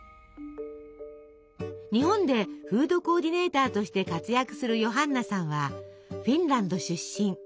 日本でフードコーディネーターとして活躍するヨハンナさんはフィンランド出身。